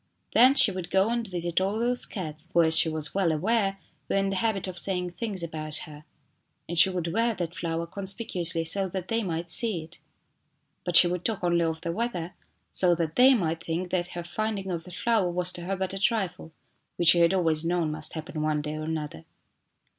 Then she would go and visit all those cats, who, as she was well aware, were in the habit of saying things about her, and she would wear that flower conspicuously so that they might see it. But she would talk only of the weather so that they mignt think that her finding of the flower was to her bu a trifle which she had always known must happen one day or another.